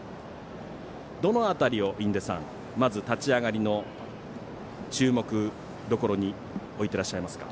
どの辺りを、まず立ち上がりの注目どころに置いてらっしゃいますか？